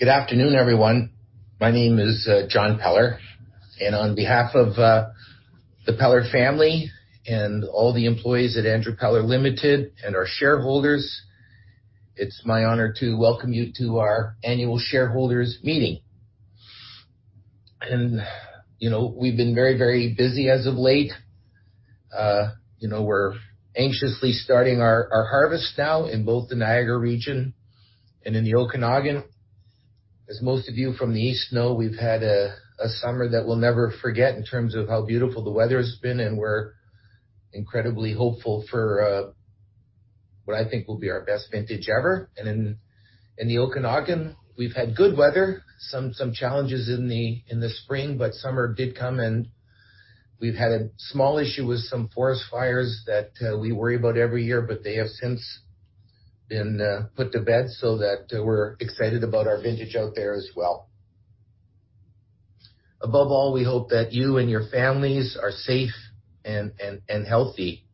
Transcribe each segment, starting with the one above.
Good afternoon, everyone. My name is John Peller. On behalf of the Peller family and all the employees at Andrew Peller Limited and our shareholders, it's my honor to welcome you to our annual shareholders meeting. We've been very busy as of late. We're anxiously starting our harvest now in both the Niagara region and in the Okanagan. As most of you from the East know, we've had a summer that we'll never forget in terms of how beautiful the weather has been. We're incredibly hopeful for what I think will be our best vintage ever. In the Okanagan, we've had good weather. Some challenges in the spring, but summer did come, and we've had a small issue with some forest fires that we worry about every year, but they have since been put to bed so that we're excited about our vintage out there as well. Above all, we hope that you and your families are safe and healthy.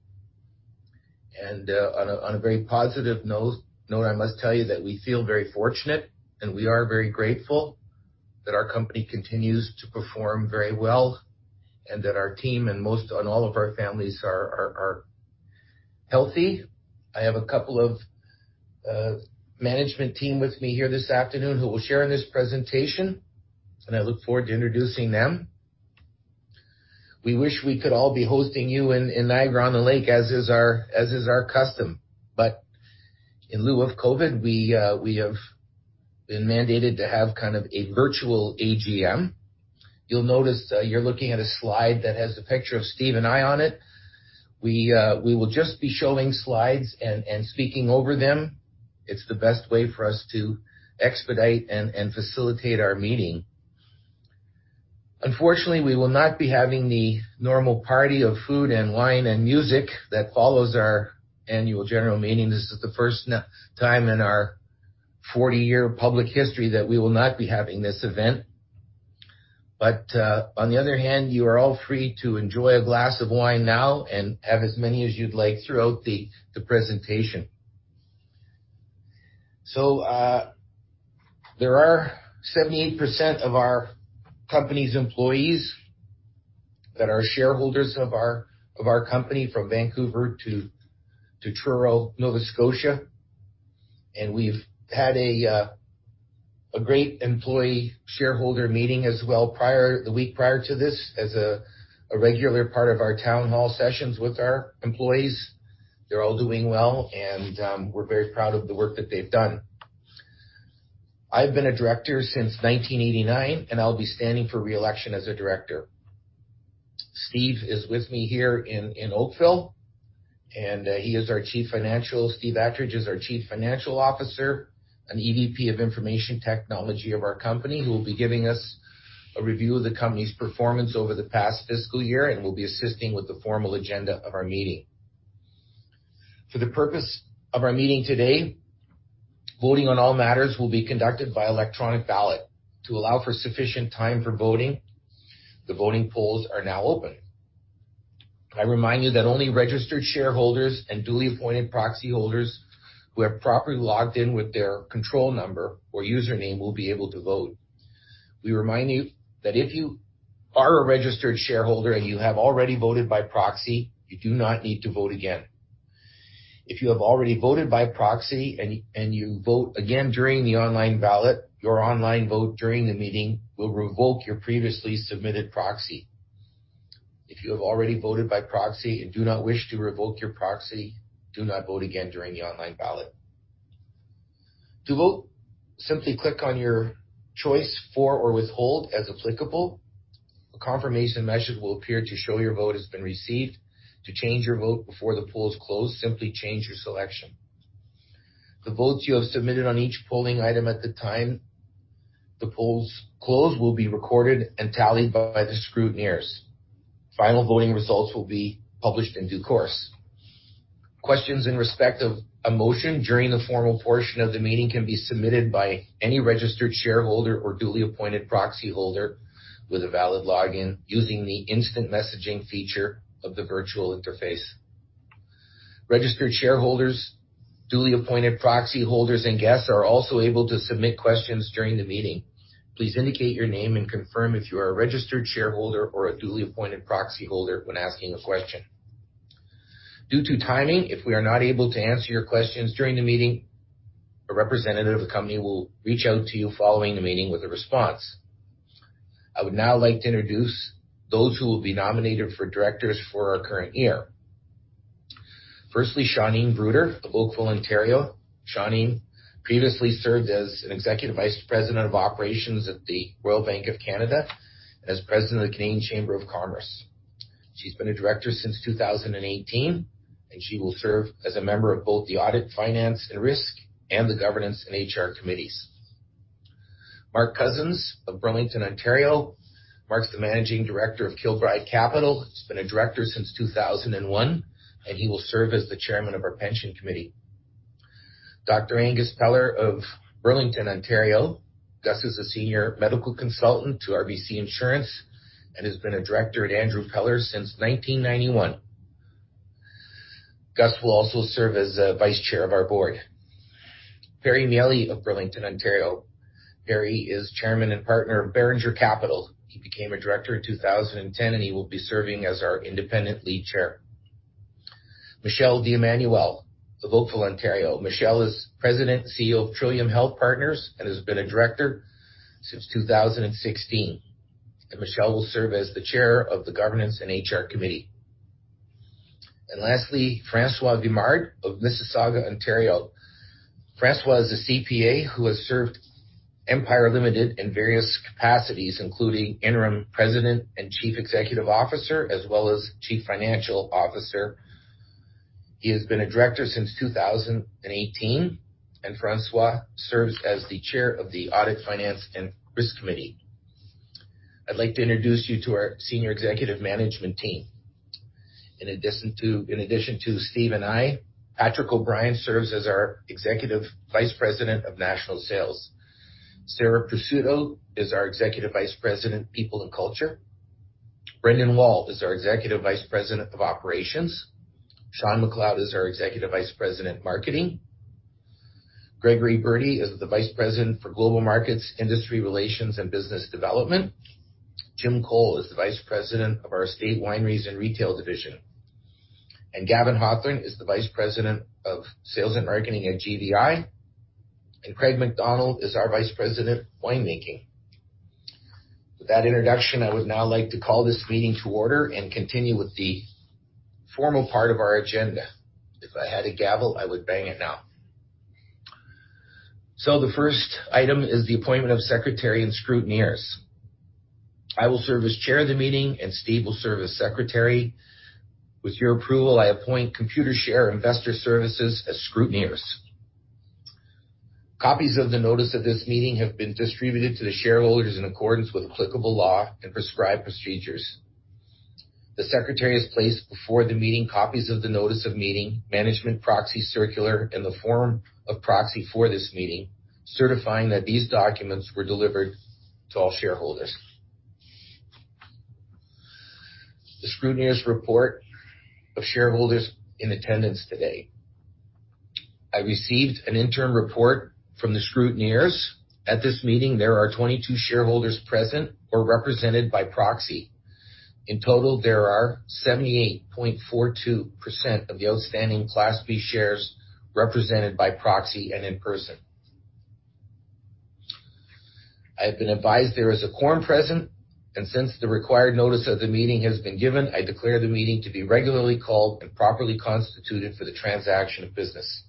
On a very positive note, I must tell you that we feel very fortunate, and we are very grateful that our company continues to perform very well and that our team and most on all of our families are healthy. I have a couple of management team with me here this afternoon who will share in this presentation, and I look forward to introducing them. We wish we could all be hosting you in Niagara-on-the-Lake, as is our custom. In lieu of COVID, we have been mandated to have kind of a virtual AGM. You'll notice you're looking at a slide that has a picture of Steve and I on it. We will just be showing slides and speaking over them. It's the best way for us to expedite and facilitate our meeting. Unfortunately, we will not be having the normal party of food and wine and music that follows our annual general meeting. This is the first time in our 40-year public history that we will not be having this event. On the other hand, you are all free to enjoy a glass of wine now and have as many as you'd like throughout the presentation. There are 78% of our company's employees that are shareholders of our company, from Vancouver to Truro, Nova Scotia. We've had a great employee shareholder meeting as well the week prior to this as a regular part of our town hall sessions with our employees. They're all doing well, and we're very proud of the work that they've done. I've been a director since 1989, and I'll be standing for re-election as a director. Steve is with me here in Oakville. Steve Attridge is our Chief Financial Officer and EVP of Information Technology of our company, who will be giving us a review of the company's performance over the past fiscal year and will be assisting with the formal agenda of our meeting. For the purpose of our meeting today, voting on all matters will be conducted by electronic ballot. To allow for sufficient time for voting, the voting polls are now open. I remind you that only registered shareholders and duly appointed proxy holders who have properly logged in with their control number or username will be able to vote. We remind you that if you are a registered shareholder and you have already voted by proxy, you do not need to vote again. If you have already voted by proxy and you vote again during the online ballot, your online vote during the meeting will revoke your previously submitted proxy. If you have already voted by proxy and do not wish to revoke your proxy, do not vote again during the online ballot. To vote, simply click on your choice for or withhold as applicable. A confirmation message will appear to show your vote has been received. To change your vote before the poll is closed, simply change your selection. The votes you have submitted on each polling item at the time the polls close will be recorded and tallied by the scrutineers. Final voting results will be published in due course. Questions in respect of a motion during the formal portion of the meeting can be submitted by any registered shareholder or duly appointed proxy holder with a valid login using the instant messaging feature of the virtual interface. Registered shareholders, duly appointed proxy holders, and guests are also able to submit questions during the meeting. Please indicate your name and confirm if you are a registered shareholder or a duly appointed proxy holder when asking a question. Due to timing, if we are not able to answer your questions during the meeting, a representative of the company will reach out to you following the meeting with a response. I would now like to introduce those who will be nominated for directors for our current year. Firstly, Shauneen Bruder of Oakville, Ontario. Shauneen previously served as an Executive Vice President of operations at the Royal Bank of Canada and as President of the Canadian Chamber of Commerce. She's been a director since 2018, and she will serve as a member of both the audit, finance, and risk, and the governance and HR committees. Mark Cosens of Burlington, Ontario. Mark's the Managing Director of Kilbride Capital. He's been a director since 2001, and he will serve as the chairman of our pension committee. Dr. Angus Peller of Burlington, Ontario. Gus is a senior medical consultant to RBC Insurance and has been a director at Andrew Peller since 1991. Gus will also serve as Vice Chair of our Board. Perry Miele of Burlington, Ontario. Perry is chairman and partner of Beringer Capital. He became a director in 2010. He will be serving as our independent lead chair. Michelle DiEmanuele of Oakville, Ontario. Michelle is President and CEO of Trillium Health Partners and has been a director since 2016. Michelle will serve as the Chair of the Governance and HR Committee. Lastly, François Vimard of Mississauga, Ontario. François is a CPA who has served Empire Limited in various capacities, including Interim President and Chief Executive Officer, as well as Chief Financial Officer. He has been a director since 2018, and François serves as the Chair of the Audit, Finance, and Risk Committee. I'd like to introduce you to our senior executive management team. In addition to Steve and I, Patrick O'Brien serves as our Executive Vice President of National Sales. Sarah Caputo is our Executive Vice President, People and Culture. Brendan Wall is our Executive Vice President of Operations. Shawn MacLeod is our Executive Vice President, Marketing. Gregory Berti is the Vice President for Global Markets, Industry Relations, and Business Development. Jim Cole is the Vice President of our Estate Wineries and Retail Division. Gavin Hawthorne is the Vice President of Sales and Marketing at GVI, and Craig McDonald is our Vice President, Winemaking. With that introduction, I would now like to call this meeting to order and continue with the formal part of our agenda. If I had a gavel, I would bang it now. The first item is the appointment of secretary and scrutineers. I will serve as Chair of the Meeting, and Steve will serve as Secretary. With your approval, I appoint Computershare Investor Services as scrutineers. Copies of the notice of this meeting have been distributed to the shareholders in accordance with applicable law and prescribed procedures. The secretary has placed before the meeting copies of the notice of meeting, management proxy circular, and the form of proxy for this meeting, certifying that these documents were delivered to all shareholders. The scrutineers report of shareholders in attendance today. I received an interim report from the scrutineers. At this meeting, there are 22 shareholders present or represented by proxy. In total, there are 78.42% of the outstanding Class B shares represented by proxy and in person. I have been advised there is a quorum present, and since the required notice of the meeting has been given, I declare the meeting to be regularly called and properly constituted for the transaction of business.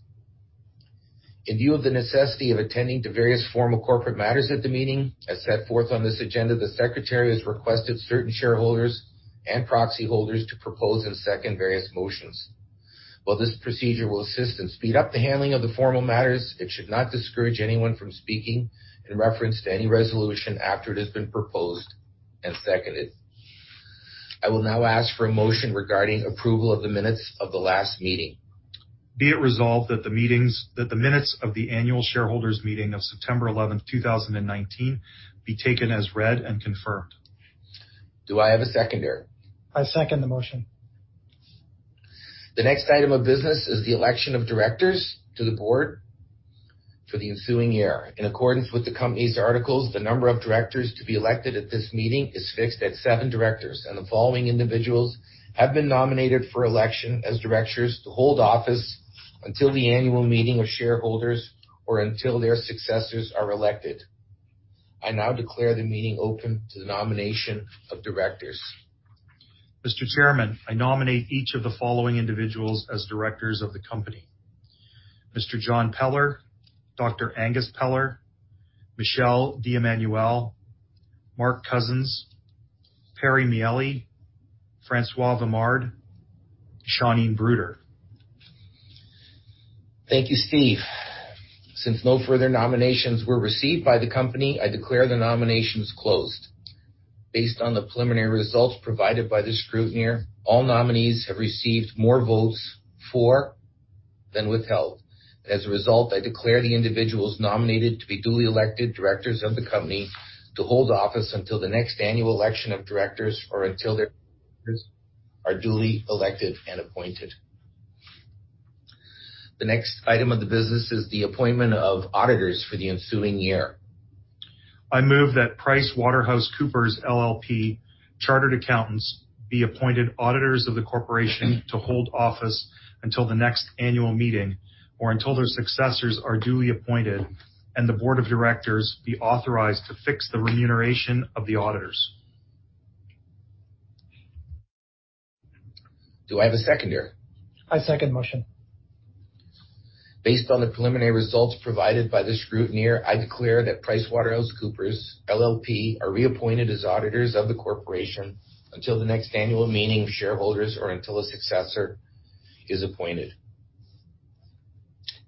In view of the necessity of attending to various formal corporate matters at the meeting, as set forth on this agenda, the secretary has requested certain shareholders and proxy holders to propose and second various motions. While this procedure will assist and speed up the handling of the formal matters, it should not discourage anyone from speaking in reference to any resolution after it has been proposed and seconded. I will now ask for a motion regarding approval of the minutes of the last meeting. Be it resolved that the minutes of the annual shareholders meeting of September 11th, 2019, be taken as read and confirmed. Do I have a seconder? I second the motion. The next item of business is the election of directors to the board for the ensuing year. In accordance with the company's articles, the number of directors to be elected at this meeting is fixed at seven directors, and the following individuals have been nominated for election as directors to hold office until the annual meeting of shareholders or until their successors are elected. I now declare the meeting open to the nomination of directors. Mr. Chairman, I nominate each of the following individuals as directors of the company: Mr. John Peller, Dr. Angus Peller, Michelle DiEmanuele, Mark Cosens, Perry Miele, François Vimard, Shauneen Bruder. Thank you, Steve. Since no further nominations were received by the company, I declare the nominations closed. Based on the preliminary results provided by the scrutineer, all nominees have received more votes for than withheld. As a result, I declare the individuals nominated to be duly elected directors of the company to hold office until the next annual election of directors or until their successors are duly elected and appointed. The next item of the business is the appointment of auditors for the ensuing year. I move that PricewaterhouseCoopers LLP Chartered Accountants be appointed auditors of the corporation to hold office until the next annual meeting or until their successors are duly appointed and the Board of Directors be authorized to fix the remuneration of the auditors. Do I have a seconder? I second the motion. Based on the preliminary results provided by the scrutineer, I declare that PricewaterhouseCoopers LLP are reappointed as auditors of the corporation until the next annual meeting of shareholders or until a successor is appointed.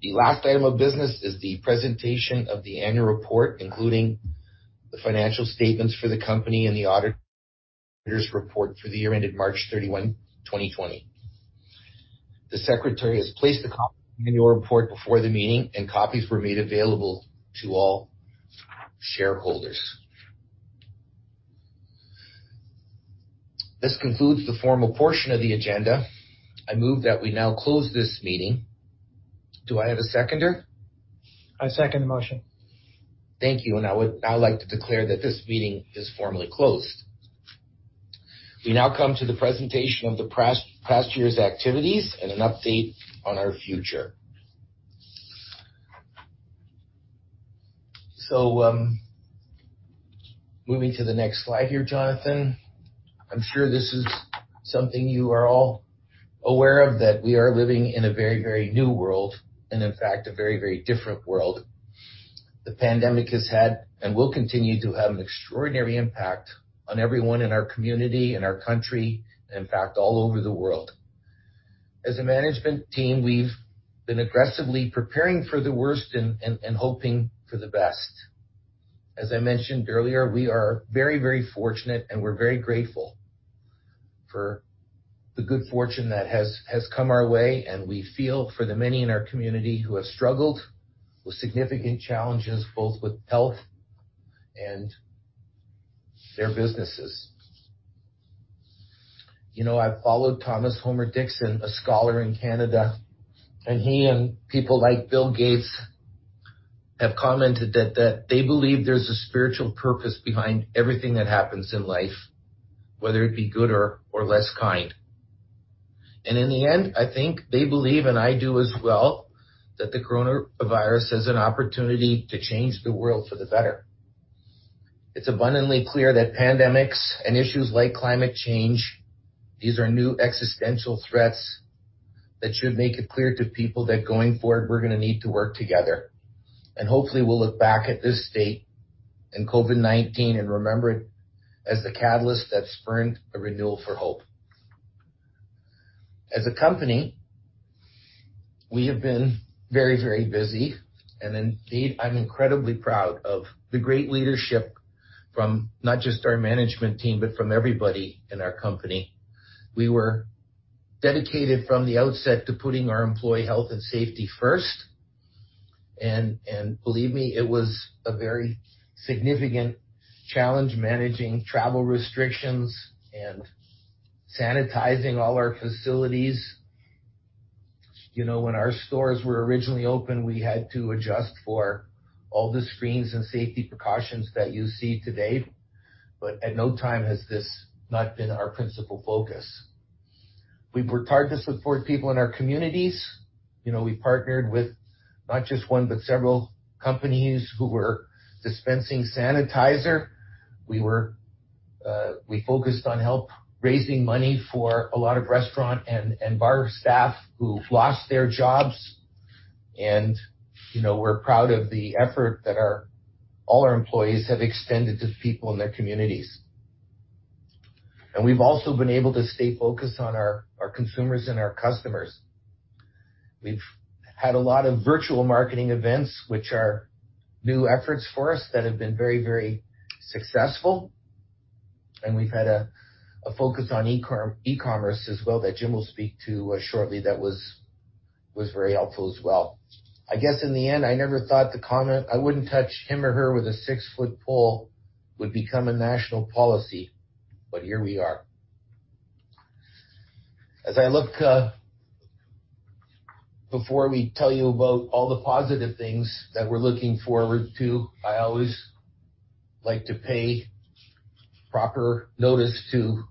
The last item of business is the presentation of the annual report, including the financial statements for the company and the auditor's report for the year ended March 31, 2020. The secretary has placed a copy of the annual report before the meeting, and copies were made available to all shareholders. This concludes the formal portion of the agenda. I move that we now close this meeting. Do I have a seconder? I second the motion. Thank you. I would now like to declare that this meeting is formally closed. We now come to the presentation of the past year's activities and an update on our future. Moving to the next slide here, Jonathan. I'm sure this is something you are all aware of, that we are living in a very new world, and in fact, a very different world. The pandemic has had, and will continue to have an extraordinary impact on everyone in our community and our country, and in fact, all over the world. As a management team, we've been aggressively preparing for the worst and hoping for the best. As I mentioned earlier, we are very fortunate, and we're very grateful for the good fortune that has come our way, and we feel for the many in our community who have struggled with significant challenges, both with health and their businesses. I followed Thomas Homer-Dixon, a scholar in Canada, and he and people like Bill Gates have commented that they believe there's a spiritual purpose behind everything that happens in life, whether it be good or less kind. In the end, I think they believe, and I do as well, that the coronavirus is an opportunity to change the world for the better. It's abundantly clear that pandemics and issues like climate change, these are new existential threats that should make it clear to people that going forward, we're going to need to work together. Hopefully, we'll look back at this date and COVID-19 and remember it as the catalyst that spurned a renewal for hope. As a company, we have been very busy. Indeed, I'm incredibly proud of the great leadership from not just our management team, but from everybody in our company. We were dedicated from the outset to putting our employee health and safety first. Believe me, it was a very significant challenge managing travel restrictions and sanitizing all our facilities. When our stores were originally open, we had to adjust for all the screens and safety precautions that you see today. At no time has this not been our principal focus. We've worked hard to support people in our communities. We've partnered with not just one, but several companies who were dispensing sanitizer. We focused on help raising money for a lot of restaurant and bar staff who've lost their jobs, and we're proud of the effort that all our employees have extended to people in their communities. We've also been able to stay focused on our consumers and our customers. We've had a lot of virtual marketing events, which are new efforts for us that have been very successful. We've had a focus on e-commerce as well that Jim will speak to shortly that was very helpful as well. I guess in the end, I never thought the comment, "I wouldn't touch him or her with a six-foot pole" would become a national policy, but here we are. As I look, before we tell you about all the positive things that we're looking forward to, I always like to pay proper notice to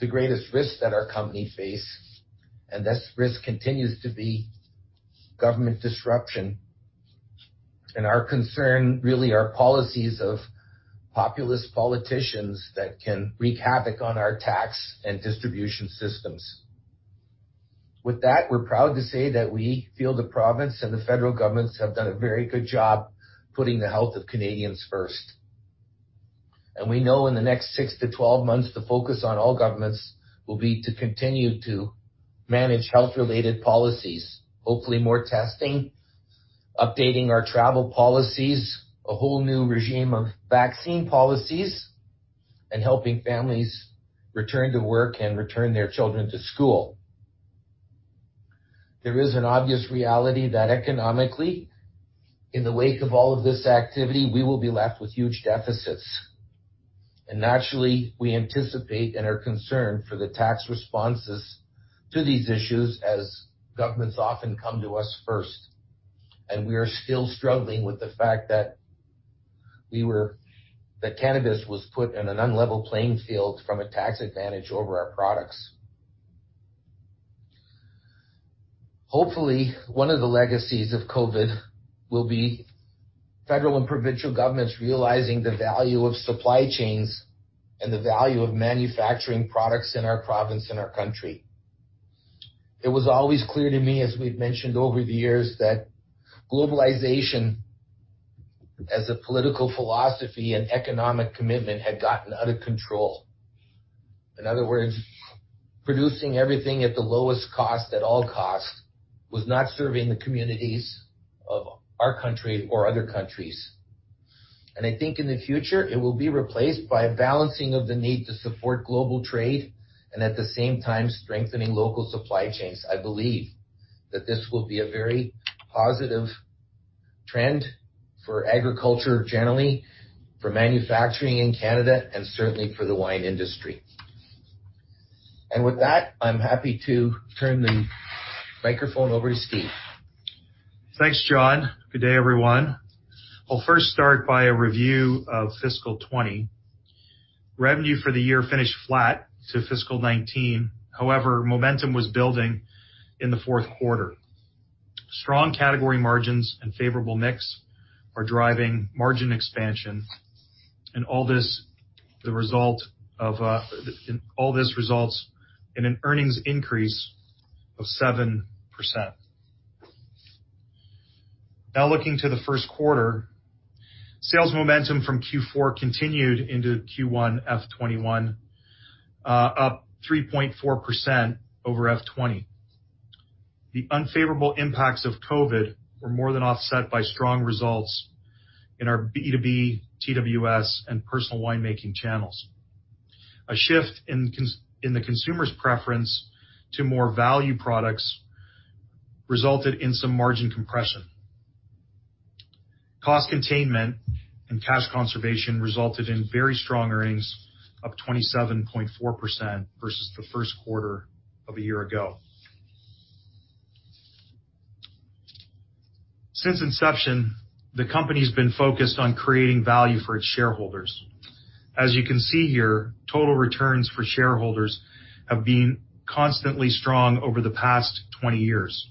the greatest risks that our company face, that risk continues to be government disruption. Our concern really are policies of populist politicians that can wreak havoc on our tax and distribution systems. With that, we're proud to say that we feel the province and the federal governments have done a very good job putting the health of Canadians first. We know in the next six to 12 months, the focus on all governments will be to continue to manage health-related policies. Hopefully, more testing, updating our travel policies, a whole new regime of vaccine policies, and helping families return to work and return their children to school. There is an obvious reality that economically, in the wake of all of this activity, we will be left with huge deficits. Naturally, we anticipate and are concerned for the tax responses to these issues as governments often come to us first, and we are still struggling with the fact that cannabis was put in an unlevel playing field from a tax advantage over our products. Hopefully, one of the legacies of COVID will be federal and provincial governments realizing the value of supply chains and the value of manufacturing products in our province and our country. It was always clear to me, as we've mentioned over the years, that globalization as a political philosophy and economic commitment had gotten out of control. In other words, producing everything at the lowest cost at all costs was not serving the communities of our country or other countries. I think in the future, it will be replaced by a balancing of the need to support global trade and at the same time strengthening local supply chains. I believe that this will be a very positive trend for agriculture generally, for manufacturing in Canada, and certainly for the wine industry. With that, I am happy to turn the microphone over to Steve. Thanks, John. Good day, everyone. I'll first start by a review of fiscal 2020. Revenue for the year finished flat to fiscal 2019. Momentum was building in the fourth quarter. Strong category margins and favorable mix are driving margin expansion, and all this results in an earnings increase of 7%. Looking to the first quarter. Sales momentum from Q4 continued into Q1 FY 2021, up 3.4% over FY 2020. The unfavorable impacts of COVID were more than offset by strong results in our B2B, TWS, and personal winemaking channels. A shift in the consumer's preference to more value products resulted in some margin compression. Cost containment and cash conservation resulted in very strong earnings, up 27.4% versus the first quarter of a year ago. Since inception, the company's been focused on creating value for its shareholders. As you can see here, total returns for shareholders have been constantly strong over the past 20 years,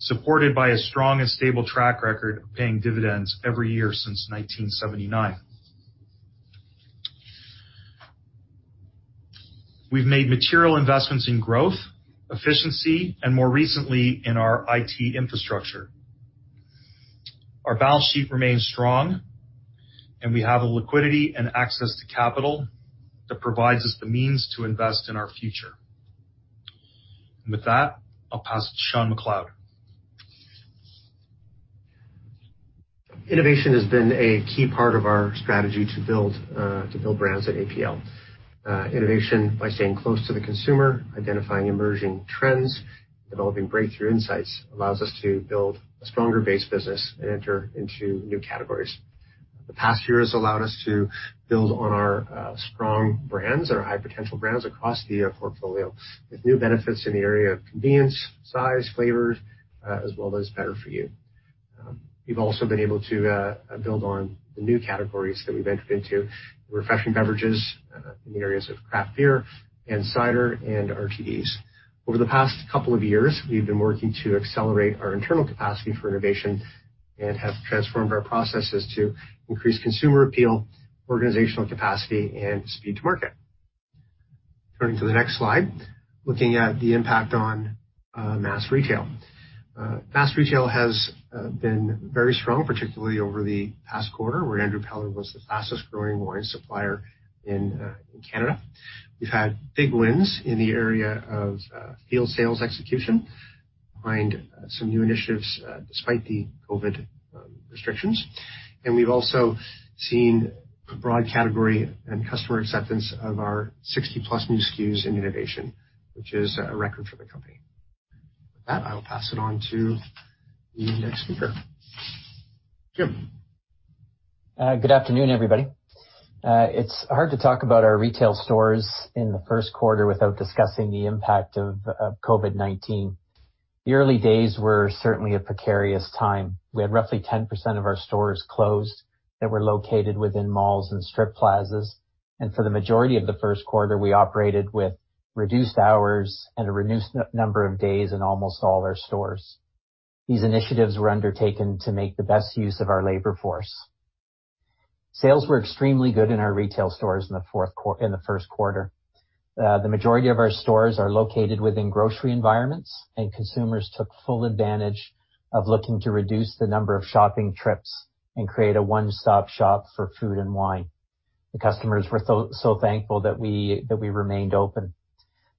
supported by a strong and stable track record of paying dividends every year since 1979. We've made material investments in growth, efficiency, and more recently, in our IT infrastructure. Our balance sheet remains strong, and we have the liquidity and access to capital that provides us the means to invest in our future. With that, I'll pass to Shawn MacLeod. Innovation has been a key part of our strategy to build brands at APL. Innovation by staying close to the consumer, identifying emerging trends, developing breakthrough insights, allows us to build a stronger base business and enter into new categories. The past year has allowed us to build on our strong brands and our high-potential brands across the portfolio, with new benefits in the area of convenience, size, flavors, as well as better for you. We've also been able to build on the new categories that we've entered into, refreshing beverages in the areas of craft beer and cider and RTDs. Over the past couple of years, we've been working to accelerate our internal capacity for innovation and have transformed our processes to increase consumer appeal, organizational capacity, and speed to market. Turning to the next slide, looking at the impact on mass retail. Mass retail has been very strong, particularly over the past quarter, where Andrew Peller was the fastest growing wine supplier in Canada. We've had big wins in the area of field sales execution, behind some new initiatives, despite the COVID restrictions, and we've also seen broad category and customer acceptance of our 60+ new SKUs in innovation, which is a record for the company. With that, I will pass it on to the next speaker. Jim. Good afternoon, everybody. It's hard to talk about our retail stores in the first quarter without discussing the impact of COVID-19. The early days were certainly a precarious time. We had roughly 10% of our stores closed that were located within malls and strip plazas. For the majority of the first quarter, we operated with reduced hours and a reduced number of days in almost all our stores. These initiatives were undertaken to make the best use of our labor force. Sales were extremely good in our retail stores in the first quarter. The majority of our stores are located within grocery environments, and consumers took full advantage of looking to reduce the number of shopping trips and create a one-stop shop for food and wine. The customers were so thankful that we remained open.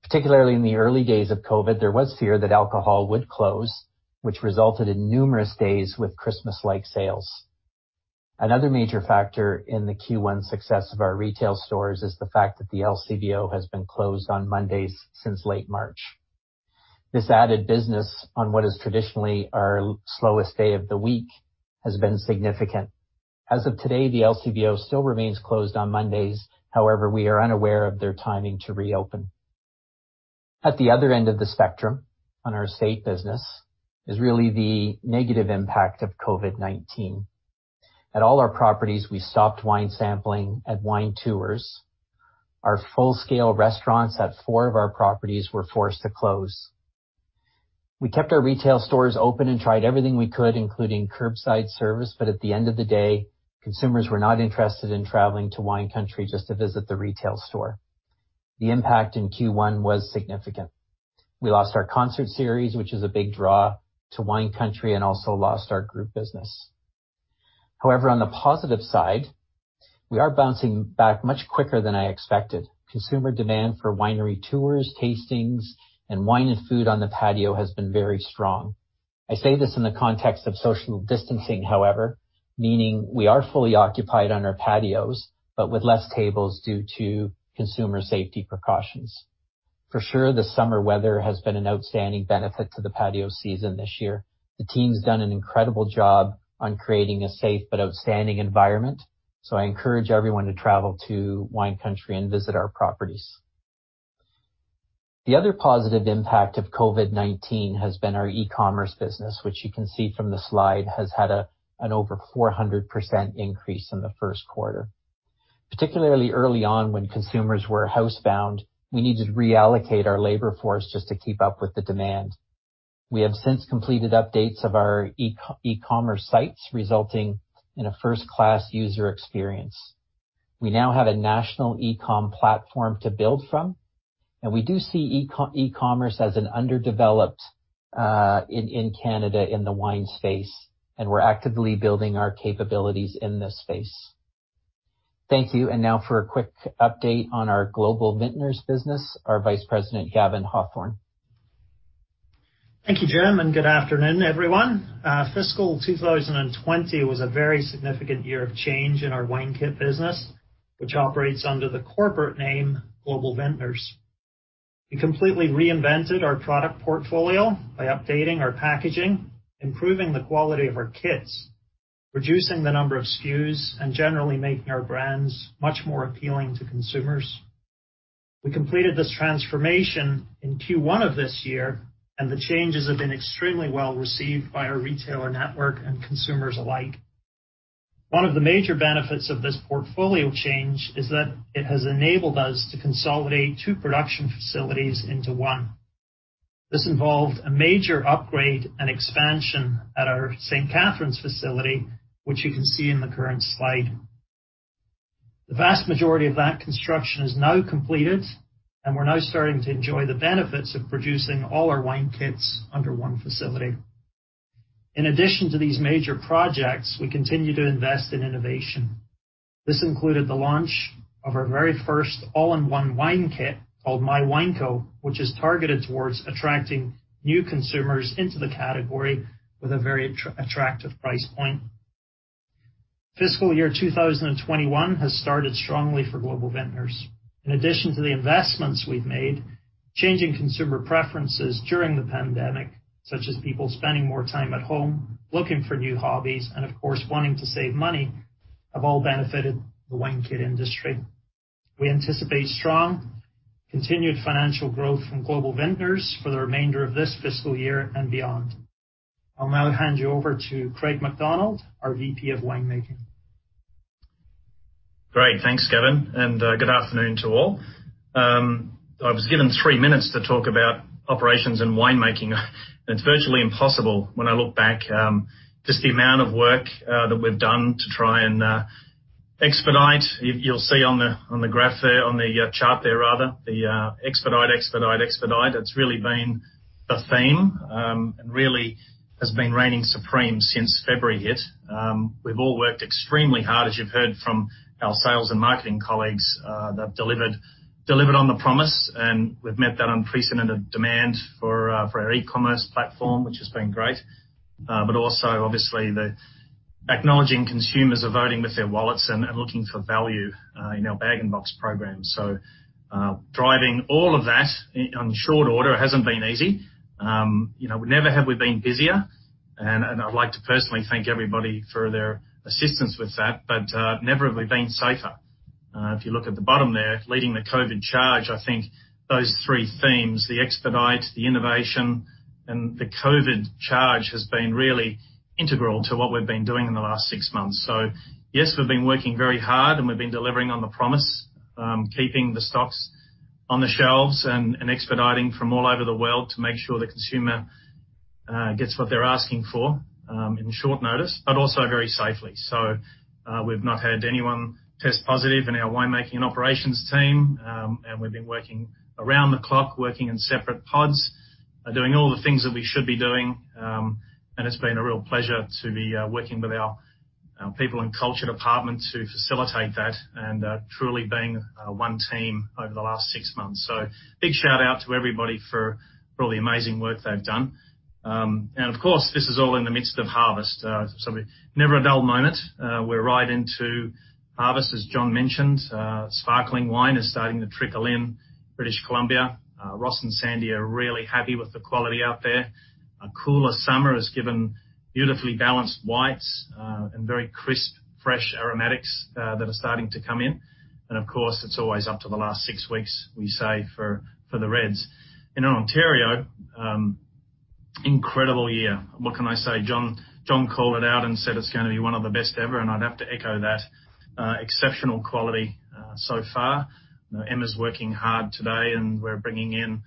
Particularly in the early days of COVID, there was fear that alcohol would close, which resulted in numerous days with Christmas-like sales. Another major factor in the Q1 success of our retail stores is the fact that the LCBO has been closed on Mondays since late March. This added business on what is traditionally our slowest day of the week has been significant. As of today, the LCBO still remains closed on Mondays. However, we are unaware of their timing to reopen. At the other end of the spectrum, on our estate business, is really the negative impact of COVID-19. At all our properties, we stopped wine sampling at wine tours. Our full-scale restaurants at four of our properties were forced to close. We kept our retail stores open and tried everything we could, including curbside service, but at the end of the day, consumers were not interested in traveling to Wine Country just to visit the retail store. The impact in Q1 was significant. We lost our concert series, which is a big draw to Wine Country, and also lost our group business. However, on the positive side, we are bouncing back much quicker than I expected. Consumer demand for winery tours, tastings, and wine and food on the patio has been very strong. I say this in the context of social distancing, however, meaning we are fully occupied on our patios, but with less tables due to consumer safety precautions. For sure, the summer weather has been an outstanding benefit to the patio season this year. The team's done an incredible job on creating a safe but outstanding environment, so I encourage everyone to travel to Wine Country and visit our properties. The other positive impact of COVID-19 has been our e-commerce business, which you can see from the slide has had an over 400% increase in the first quarter. Particularly early on, when consumers were housebound, we needed to reallocate our labor force just to keep up with the demand. We have since completed updates of our e-commerce sites, resulting in a first-class user experience. We now have a national e-com platform to build from, and we do see e-commerce as an underdeveloped in Canada in the wine space, and we're actively building our capabilities in this space. Thank you, and now for a quick update on our Global Vintners business, our Vice President, Gavin Hawthorne. Thank you, Jim. Good afternoon, everyone. Fiscal 2020 was a very significant year of change in our wine kit business, which operates under the corporate name Global Vintners. We completely reinvented our product portfolio by updating our packaging, improving the quality of our kits, reducing the number of SKUs, and generally making our brands much more appealing to consumers. We completed this transformation in Q1 of this year. The changes have been extremely well received by our retailer network and consumers alike. One of the major benefits of this portfolio change is that it has enabled us to consolidate two production facilities into one. This involved a major upgrade and expansion at our St. Catharines facility, which you can see in the current slide. The vast majority of that construction is now completed, and we're now starting to enjoy the benefits of producing all our wine kits under one facility. In addition to these major projects, we continue to invest in innovation. This included the launch of our very first all-in-one wine kit called VineCo, which is targeted towards attracting new consumers into the category with a very attractive price point. Fiscal year 2021 has started strongly for Global Vintners. In addition to the investments we've made, changing consumer preferences during the pandemic, such as people spending more time at home, looking for new hobbies, and of course, wanting to save money, have all benefited the wine kit industry. We anticipate strong, continued financial growth from Global Vintners for the remainder of this fiscal year and beyond. I'll now hand you over to Craig McDonald, our VP of Winemaking. Great. Thanks, Gavin. Good afternoon to all. I was given three minutes to talk about operations and winemaking. It's virtually impossible when I look back, just the amount of work that we've done to try and expedite. You'll see on the graph there, on the chart there rather, the expedite, expedite. It's really been the theme, and really has been reigning supreme since February hit. We've all worked extremely hard, as you've heard from our sales and marketing colleagues. They've delivered on the promise, and we've met that unprecedented demand for our e-commerce platform, which has been great. Also, obviously, the acknowledging consumers are voting with their wallets and are looking for value in our bag-in-box program. Driving all of that on short order hasn't been easy. Never have we been busier, and I'd like to personally thank everybody for their assistance with that. Never have we been safer. If you look at the bottom there, leading the COVID charge, I think those three themes, the expedite, the innovation, and the COVID charge, has been really integral to what we've been doing in the last six months. Yes, we've been working very hard, and we've been delivering on the promise, keeping the stocks on the shelves and expediting from all over the world to make sure the consumer gets what they're asking for in short notice, but also very safely. We've not had anyone test positive in our winemaking and operations team, and we've been working around the clock, working in separate pods, doing all the things that we should be doing. It's been a real pleasure to be working with our People and Culture Department to facilitate that and truly being one team over the last six months. Big shout-out to everybody for all the amazing work they've done. Of course, this is all in the midst of harvest. Never a dull moment. We're right into harvest, as John mentioned. Sparkling wine is starting to trickle in British Columbia. Ross and Sandy are really happy with the quality out there. A cooler summer has given beautifully balanced whites and very crisp, fresh aromatics that are starting to come in. Of course, it's always up to the last six weeks, we say, for the reds. In Ontario, incredible year. What can I say? John called it out and said it's going to be one of the best ever, and I'd have to echo that. Exceptional quality so far. Emma's working hard today, and we're bringing in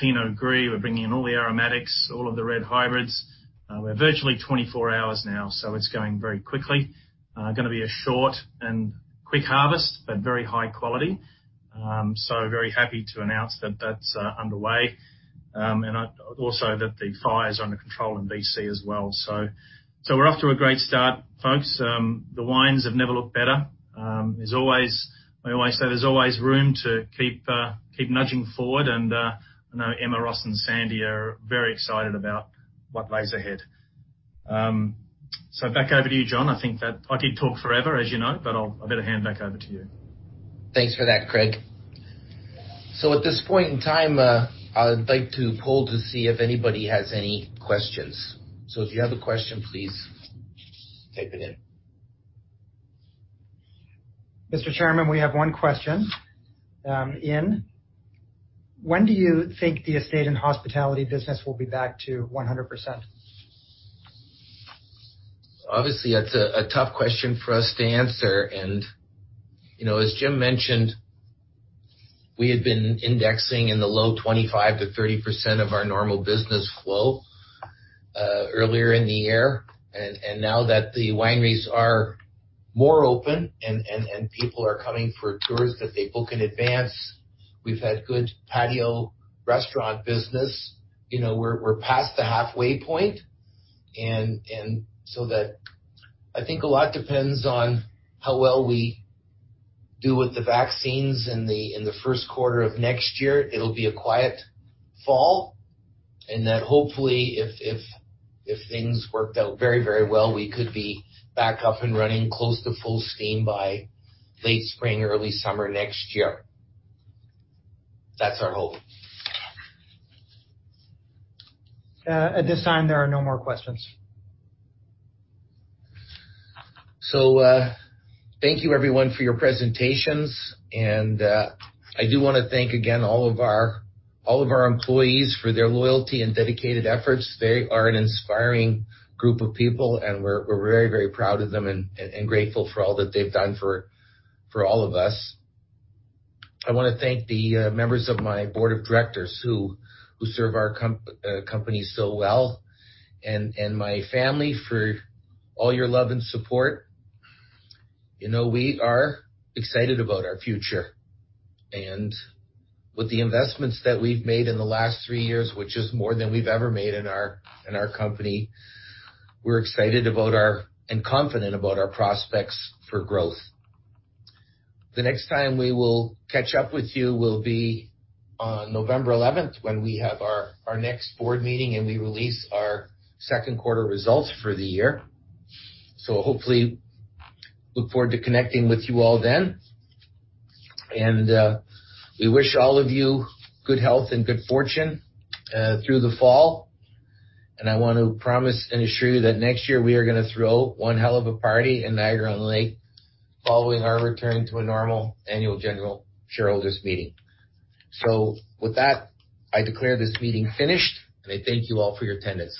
Pinot Gris, we're bringing in all the aromatics, all of the red hybrids. We're virtually 24 hours now. It's going very quickly. Going to be a short and quick harvest, very high quality. Very happy to announce that that's underway, and also that the fires are under control in B.C. as well. We're off to a great start, folks. The wines have never looked better. I always say there's always room to keep nudging forward, and I know Emma, Ross, and Sandy are very excited about what lies ahead. Back over to you, John. I think that I did talk forever, as you know, but I better hand back over to you. Thanks for that, Craig. At this point in time, I'd like to poll to see if anybody has any questions. If you have a question, please type it in. Mr. Chairman, we have one question in. When do you think the estate and hospitality business will be back to 100%? Obviously, that's a tough question for us to answer. As Jim mentioned, we had been indexing in the low 25%-30% of our normal business flow earlier in the year. Now that the wineries are more open and people are coming for tours that they book in advance, we've had good patio restaurant business. We're past the halfway point. That I think a lot depends on how well we do with the vaccines in the first quarter of next year. It'll be a quiet fall, and that hopefully if things worked out very well, we could be back up and running close to full steam by late spring, early summer next year. That's our hope. At this time, there are no more questions. Thank you, everyone, for your presentations. I do want to thank again all of our employees for their loyalty and dedicated efforts. They are an inspiring group of people, and we're very proud of them and grateful for all that they've done for all of us. I want to thank the members of my Board of Directors who serve our company so well and my family for all your love and support. We are excited about our future and with the investments that we've made in the last three years, which is more than we've ever made in our company. We're excited about our, and confident about our prospects for growth. The next time we will catch up with you will be on November 11th when we have our next board meeting, and we release our second quarter results for the year. Hopefully look forward to connecting with you all then. We wish all of you good health and good fortune through the fall, and I want to promise and assure you that next year we are going to throw one hell of a party in Niagara-on-the-Lake following our return to a normal annual general shareholders meeting. With that, I declare this meeting finished, and I thank you all for your attendance.